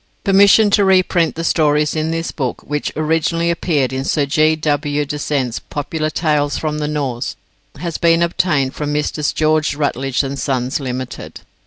Permission to reprint the Stories in this book, which originally appeared in Sir G. W. Dasent's "Popular Tales from the Norse," has been obtained from Messrs. George Routledge & Sons, Ltd.